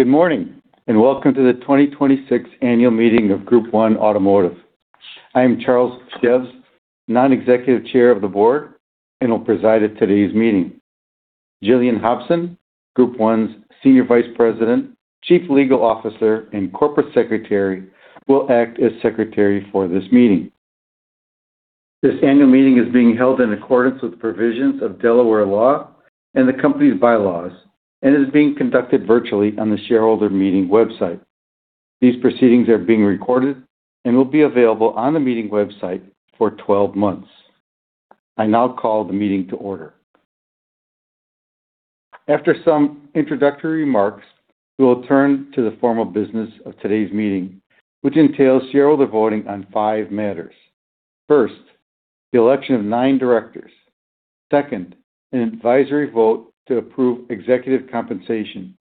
Good morning, welcome to the 2026 annual meeting of Group 1 Automotive. I am Charles Szews, Non-Executive Chair of the Board, and will preside at today's meeting. Gillian Hobson, Group 1's Senior Vice President, Chief Legal Officer, and Corporate Secretary, will act as secretary for this meeting. This annual meeting is being held in accordance with the provisions of Delaware law and the company's bylaws, and is being conducted virtually on the shareholder meeting website. These proceedings are being recorded and will be available on the meeting website for 12 months. I now call the meeting to order. After some introductory remarks, we will turn to the formal business of today's meeting, which entails shareholder voting on five matters. First, the election of nine directors. Second, an advisory vote to approve executive compensation.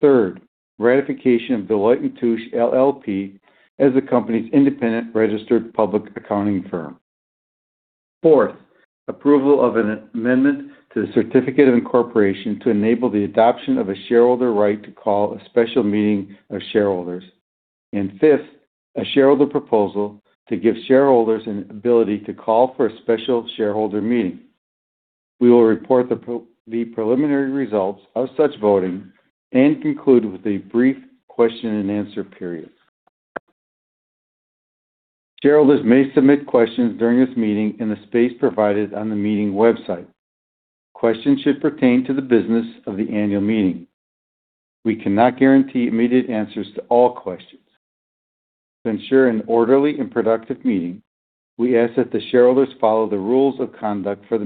Third, ratification of Deloitte & Touche LLP as the company's independent registered public accounting firm. Fourth, approval of an amendment to the certificate of incorporation to enable the adoption of a shareholder right to call a special meeting of shareholders. Fifth, a shareholder proposal to give shareholders an ability to call for a special shareholder meeting. We will report the preliminary results of such voting and conclude with a brief question-and-answer period. Shareholders may submit questions during this meeting in the space provided on the meeting website. Questions should pertain to the business of the annual meeting. We cannot guarantee immediate answers to all questions. To ensure an orderly and productive meeting, we ask that the shareholders follow the rules of conduct for the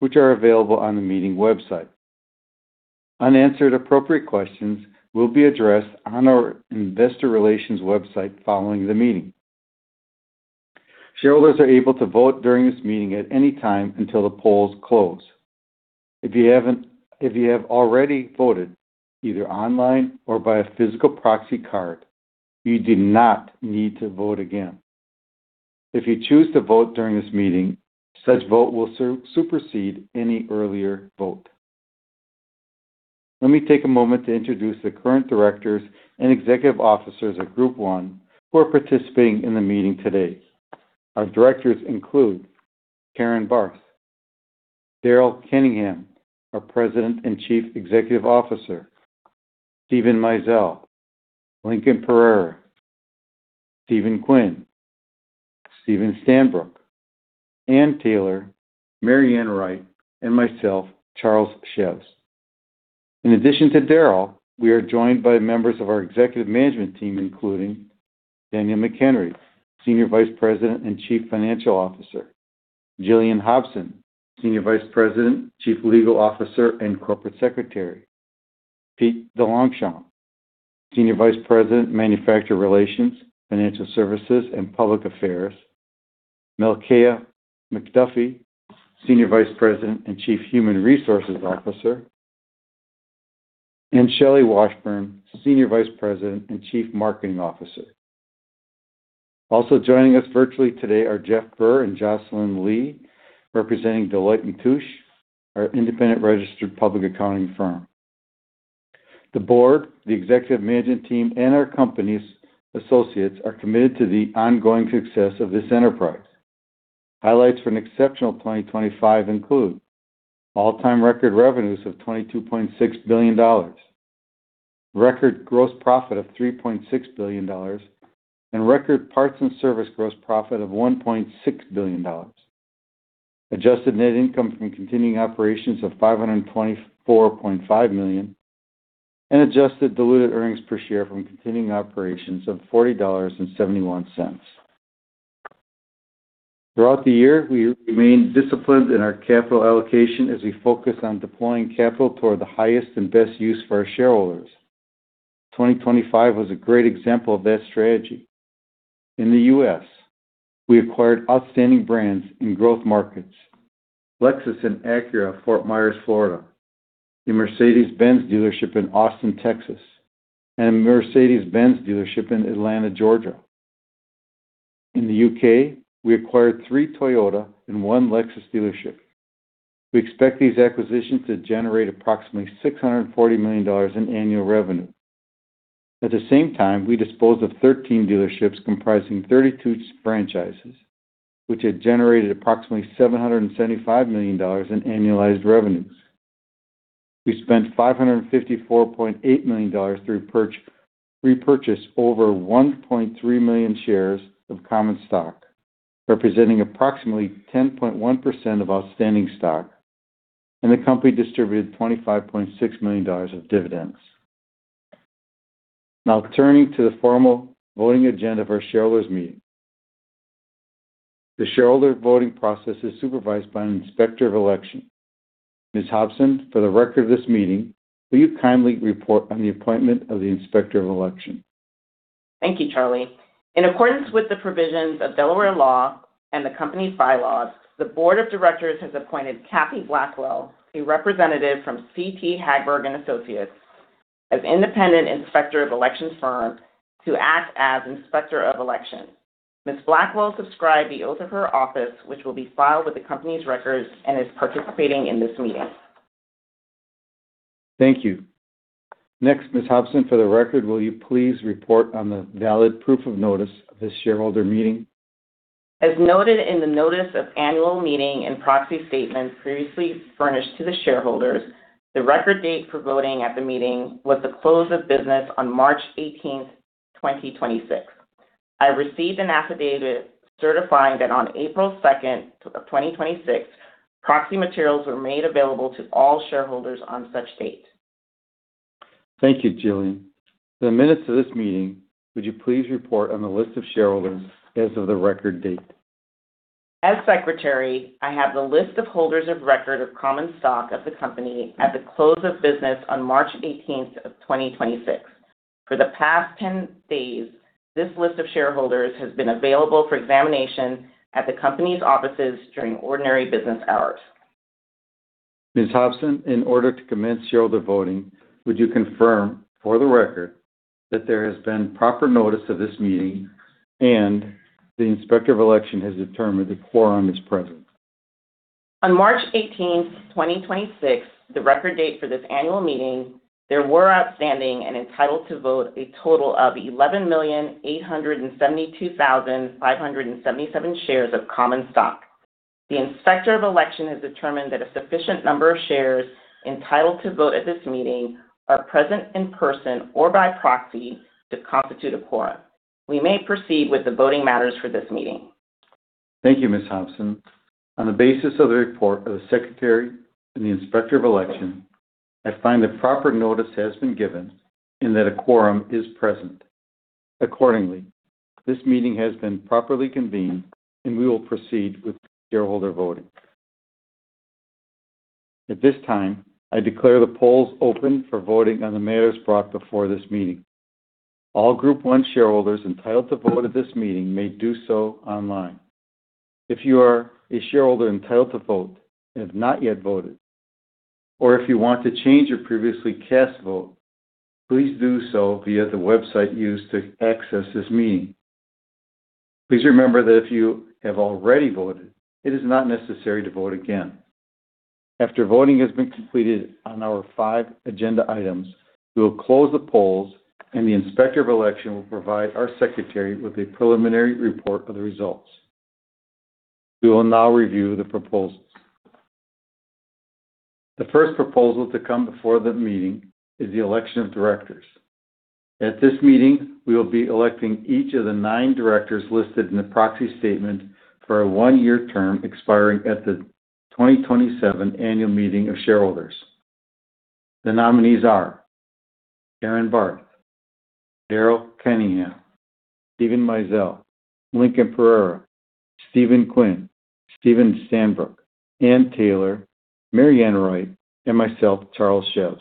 meeting, which are available on the meeting website. Unanswered appropriate questions will be addressed on our investor relations website following the meeting. Shareholders are able to vote during this meeting at any time until the polls close. If you have already voted, either online or by a physical proxy card, you do not need to vote again. If you choose to vote during this meeting, such vote will supersede any earlier vote. Let me take a moment to introduce the current directors and executive officers of Group 1 who are participating in the meeting today. Our directors include Carin Barth, Daryl Kenningham, our President and Chief Executive Officer, Steven Mizell, Lincoln Pereira, Stephen Quinn, Steven Stanbrook, Anne Taylor, MaryAnn Wright, and myself, Charles Szews. In addition to Daryl, we are joined by members of our Executive Management Team, including Daniel McHenry, Senior Vice President and Chief Financial Officer, Gillian Hobson, Senior Vice President, Chief Legal Officer, and Corporate Secretary, Pete DeLongchamps, Senior Vice President, Manufacturer Relations, Financial Services, and Public Affairs, Melkeya McDuffie, Senior Vice President and Chief Human Resources Officer, and Shelley Washburn, Senior Vice President and Chief Marketing Officer. Also joining us virtually today are Jeff Burr and Jocelyn Lee, representing Deloitte & Touche, our independent registered public accounting firm. The board, the executive management team, and our company's associates are committed to the ongoing success of this enterprise. Highlights for an exceptional 2025 include all-time record revenues of $22.6 billion, record gross profit of $3.6 billion, and record parts and service gross profit of $1.6 billion, adjusted net income from continuing operations of $524.5 million, and adjusted diluted earnings per share from continuing operations of $40.71. Throughout the year, we remained disciplined in our capital allocation as we focused on deploying capital toward the highest and best use for our shareholders. 2025 was a great example of that strategy. In the U.S., we acquired outstanding brands in growth markets, Lexus and Acura, Fort Myers, Florida, a Mercedes-Benz dealership in Austin, Texas, and a Mercedes-Benz dealership in Atlanta, Georgia. In the U.K., we acquired three Toyota and one Lexus dealership. We expect these acquisitions to generate approximately $640 million in annual revenue. At the same time, we disposed of 13 dealerships comprising 32 franchises, which had generated approximately $775 million in annualized revenues. We spent $554.8 million through repurchased over 1.3 million shares of common stock, representing approximately 10.1% of outstanding stock, and the company distributed $25.6 million of dividends. Now turning to the formal voting agenda for our shareholders meeting. The shareholder voting process is supervised by an inspector of election. Ms. Hobson, for the record of this meeting, will you kindly report on the appointment of the inspector of election? Thank you, Charlie. In accordance with the provisions of Delaware law and the company's bylaws, the board of directors has appointed Kathy Blackwell, a representative from CT Hagberg & Associates, as independent inspector of elections firm to act as inspector of election. Ms. Blackwell subscribed the oath of her office, which will be filed with the company's records and is participating in this meeting. Thank you. Next, Ms. Hobson, for the record, will you please report on the valid proof of notice of this shareholder meeting? As noted in the notice of annual meeting and proxy statement previously furnished to the shareholders, the record date for voting at the meeting was the close of business on March 18th, 2026. I received an affidavit certifying that on April 2nd, 2026, proxy materials were made available to all shareholders on such date. Thank you, Gillian. The minutes of this meeting, would you please report on the list of shareholders as of the record date? As secretary, I have the list of holders of record of common stock of the company at the close of business on March 18th, 2026. For the past 10 days, this list of shareholders has been available for examination at the company's offices during ordinary business hours. Ms. Hobson, in order to commence shareholder voting, would you confirm for the record that there has been proper notice of this meeting and the Inspector of Election has determined the quorum is present? On March 18th, 2026, the record date for this annual meeting, there were outstanding and entitled to vote a total of 11,872,577 shares of common stock. The Inspector of Election has determined that a sufficient number of shares entitled to vote at this meeting are present in person or by proxy to constitute a quorum. We may proceed with the voting matters for this meeting. Thank you, Ms. Hobson. On the basis of the report of the Secretary and the Inspector of Election, I find that proper notice has been given and that a quorum is present. Accordingly, this meeting has been properly convened, and we will proceed with shareholder voting. At this time, I declare the polls open for voting on the matters brought before this meeting. All Group 1 shareholders entitled to vote at this meeting may do so online. If you are a shareholder entitled to vote and have not yet voted, or if you want to change your previously cast vote, please do so via the website used to access this meeting. Please remember that if you have already voted, it is not necessary to vote again. After voting has been completed on our five agenda items, we will close the polls, and the Inspector of Election will provide our Secretary with a preliminary report of the results. We will now review the proposals. The first proposal to come before the meeting is the election of directors. At this meeting, we will be electing each of the nine directors listed in the proxy statement for a one-year term expiring at the 2027 Annual Meeting of shareholders. The nominees are Carin Barth, Daryl Kenningham, Steven Mizell, Lincoln Pereira, Stephen Quinn, Steven Stanbrook, Anne Taylor, MaryAnn Wright, and myself, Charles Szews.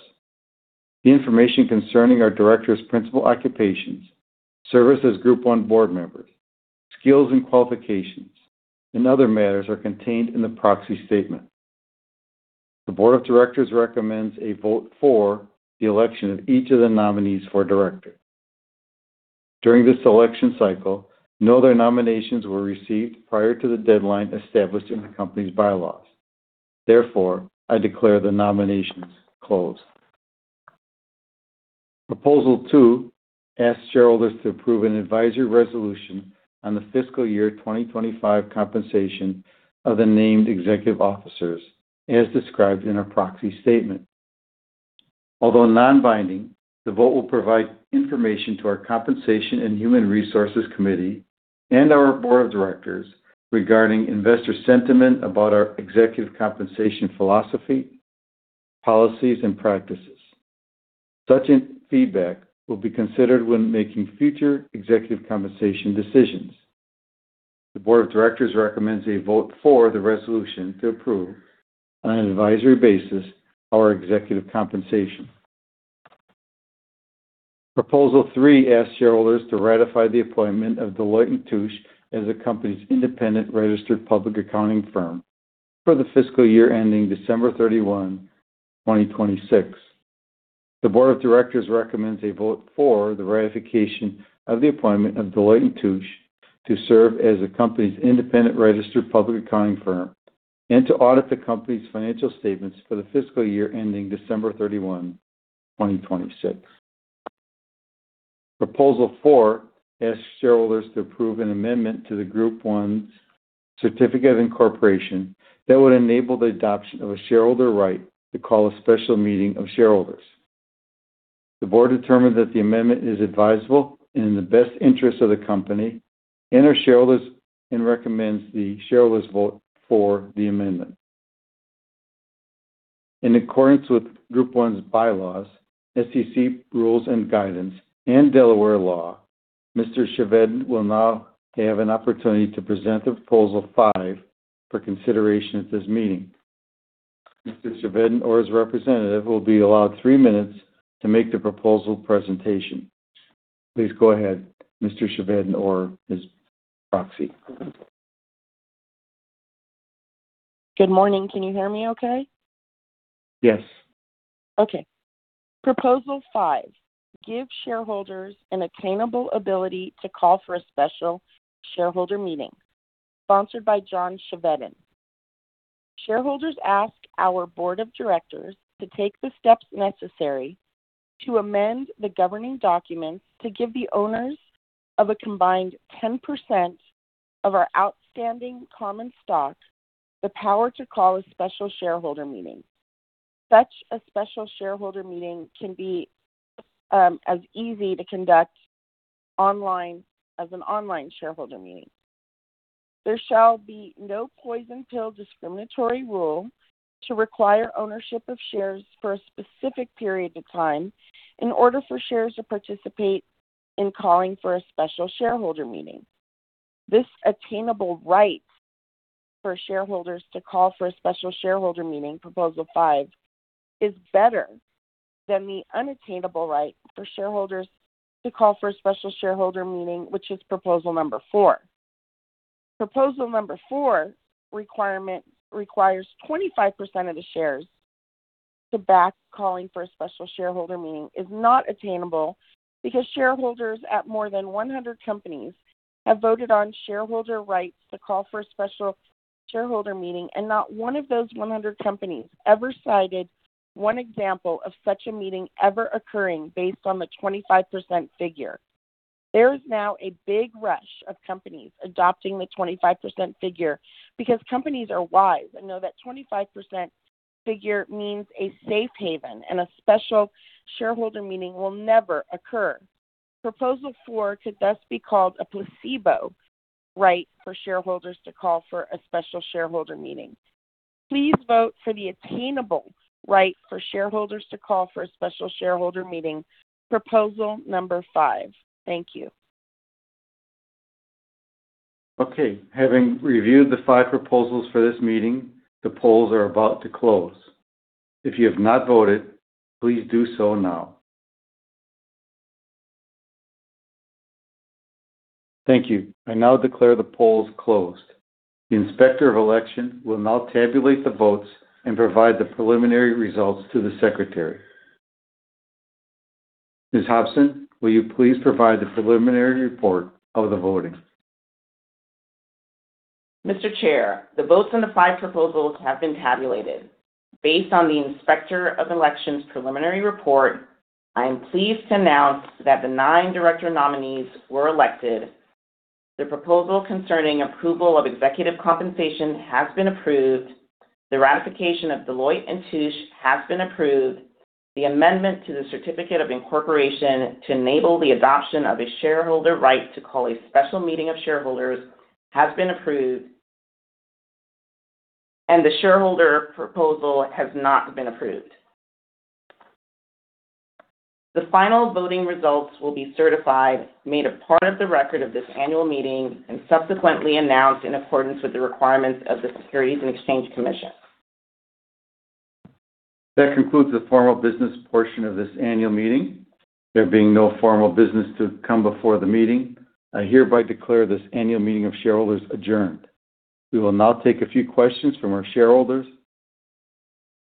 The information concerning our directors' principal occupations, service as Group 1 Automotive board members, skills and qualifications, and other matters are contained in the proxy statement. The board of directors recommends a vote for the election of each of the nominees for director. During this election cycle, no other nominations were received prior to the deadline established in the company's bylaws. I declare the nominations closed. Proposal 2 asks shareholders to approve an advisory resolution on the fiscal year 2025 compensation of the named executive officers, as described in our proxy statement. Although non-binding, the vote will provide information to our Compensation and Human Resources Committee and our board of directors regarding investor sentiment about our executive compensation philosophy, policies, and practices. Such feedback will be considered when making future executive compensation decisions. The board of directors recommends a vote for the resolution to approve, on an advisory basis, our executive compensation. Proposal 3 asks shareholders to ratify the appointment of Deloitte & Touche as the company's independent registered public accounting firm for the fiscal year ending December 31, 2026. The board of directors recommends a vote for the ratification of the appointment of Deloitte & Touche to serve as the company's independent registered public accounting firm and to audit the company's financial statements for the fiscal year ending December 31, 2026. Proposal 4 asks shareholders to approve an amendment to the Group 1's Certificate of Incorporation that would enable the adoption of a shareholder right to call a special meeting of shareholders. The board determined that the amendment is advisable and in the best interest of the company and our shareholders and recommends the shareholders vote for the amendment. In accordance with Group 1's bylaws, SEC rules and guidance, and Delaware law, Mr. Chevedden will now have an opportunity to present the Proposal 5 for consideration at this meeting. Mr. Chevedden or his representative will be allowed three minutes to make the proposal presentation. Please go ahead, Mr. Chevedden or his proxy. Good morning. Can you hear me okay? Yes. Proposal 5. Give shareholders an attainable ability to call for a special shareholder meeting. Sponsored by John Chevedden. Shareholders ask our board of directors to take the steps necessary to amend the governing documents to give the owners of a combined 10% of our outstanding common stock the power to call a special shareholder meeting. Such a special shareholder meeting can be as easy to conduct online as an online shareholder meeting. There shall be no poison pill discriminatory rule to require ownership of shares for a specific period of time in order for shares to participate in calling for a special shareholder meeting. This attainable right for shareholders to call for a special shareholder meeting, Proposal 5, is better than the unattainable right for shareholders to call for a special shareholder meeting, which is Proposal Number 4. Proposal Number 4 requirement requires 25% of the shares to back calling for a special shareholder meeting is not attainable because shareholders at more than 100 companies have voted on shareholder rights to call for a special shareholder meeting, and not one of those 100 companies ever cited one example of such a meeting ever occurring based on the 25% figure. There is now a big rush of companies adopting the 25% figure because companies are wise and know that 25% figure means a safe haven and a special shareholder meeting will never occur. Proposal 4 could thus be called a placebo right for shareholders to call for a special shareholder meeting. Please vote for the attainable right for shareholders to call for a special shareholder meeting, Proposal Number 5. Thank you. Okay. Having reviewed the five proposals for this meeting, the polls are about to close. If you have not voted, please do so now. Thank you. I now declare the polls closed. The Inspector of Election will now tabulate the votes and provide the preliminary results to the secretary. Ms. Hobson, will you please provide the preliminary report of the voting? Mr. Chair, the votes on the five proposals have been tabulated. Based on the Inspector of Election's preliminary report, I am pleased to announce that the nine director nominees were elected. The proposal concerning approval of executive compensation has been approved. The ratification of Deloitte & Touche has been approved. The amendment to the certificate of incorporation to enable the adoption of a shareholder right to call a special meeting of shareholders has been approved. The shareholder proposal has not been approved. The final voting results will be certified, made a part of the record of this annual meeting, and subsequently announced in accordance with the requirements of the Securities and Exchange Commission. That concludes the formal business portion of this annual meeting. There being no formal business to come before the meeting, I hereby declare this annual meeting of shareholders adjourned. We will now take a few questions from our shareholders.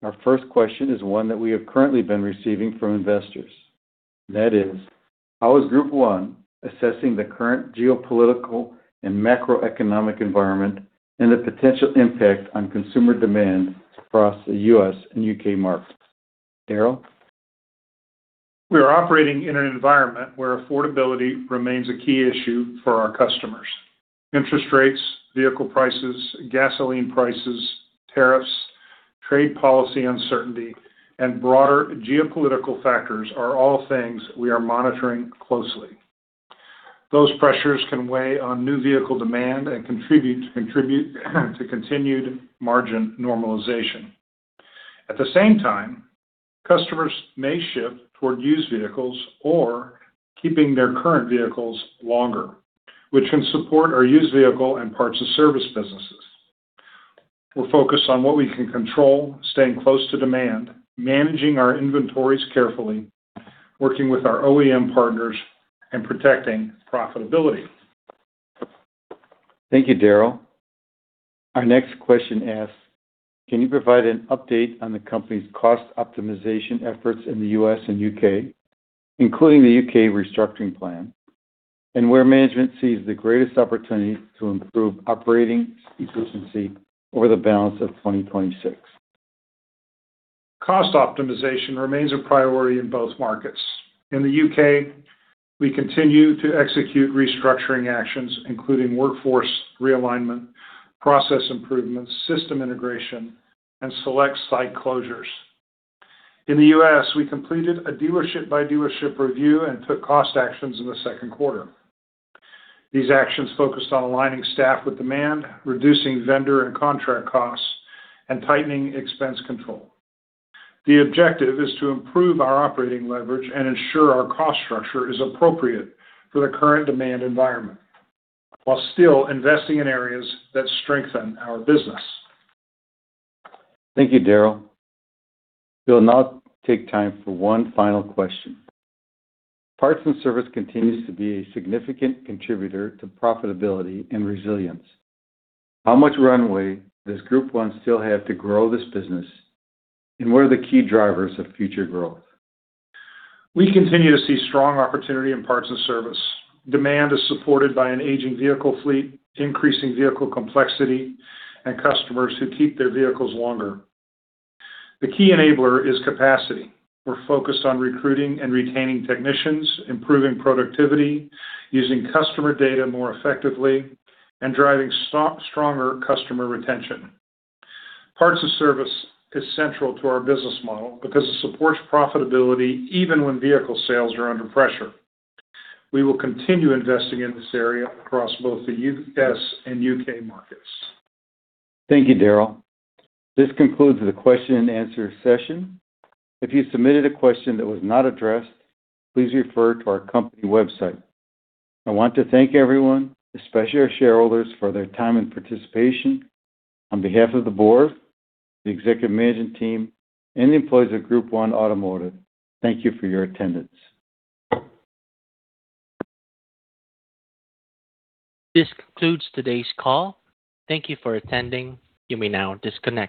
Our first question is one that we have currently been receiving from investors. That is, how is Group 1 assessing the current geopolitical and macroeconomic environment and the potential impact on consumer demand across the U.S. and U.K. markets? Daryl? We are operating in an environment where affordability remains a key issue for our customers. Interest rates, vehicle prices, gasoline prices, tariffs, trade policy uncertainty, and broader geopolitical factors are all things we are monitoring closely. Those pressures can weigh on new vehicle demand and contribute to continued margin normalization. At the same time, customers may shift toward used vehicles or keeping their current vehicles longer, which can support our used vehicle and parts of service businesses. We're focused on what we can control, staying close to demand, managing our inventories carefully, working with our OEM partners, and protecting profitability. Thank you, Daryl. Our next question asks, can you provide an update on the company's cost optimization efforts in the U.S. and U.K., including the U.K. restructuring plan, and where management sees the greatest opportunity to improve operating efficiency over the balance of 2026. Cost optimization remains a priority in both markets. In the U.K., we continue to execute restructuring actions, including workforce realignment, process improvements, system integration, and select site closures. In the U.S., we completed a dealership-by-dealership review and took cost actions in the second quarter. These actions focused on aligning staff with demand, reducing vendor and contract costs, and tightening expense control. The objective is to improve our operating leverage and ensure our cost structure is appropriate for the current demand environment while still investing in areas that strengthen our business. Thank you, Daryl. We'll now take time for one final question. Parts and service continues to be a significant contributor to profitability and resilience. How much runway does Group 1 still have to grow this business, and what are the key drivers of future growth? We continue to see strong opportunity in parts and service. Demand is supported by an aging vehicle fleet, increasing vehicle complexity, and customers who keep their vehicles longer. The key enabler is capacity. We're focused on recruiting and retaining technicians, improving productivity, using customer data more effectively, and driving stronger customer retention. Parts and service is central to our business model because it supports profitability even when vehicle sales are under pressure. We will continue investing in this area across both the U.S. and U.K. markets. Thank you, Daryl. This concludes the question-and-answer session. If you submitted a question that was not addressed, please refer to our company website. I want to thank everyone, especially our shareholders, for their time and participation. On behalf of the board, the executive management team, and the employees of Group 1 Automotive, thank you for your attendance. This concludes today's call. Thank you for attending. You may now disconnect.